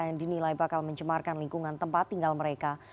yang dinilai bakal mencemarkan lingkungan tempat tinggal mereka